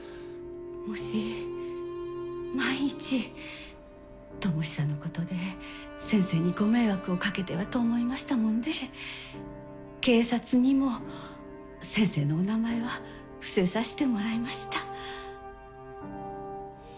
もし万一智久のことで先生にご迷惑をかけてはと思いましたもんで警察にも先生のお名前は伏せさしてもらいました。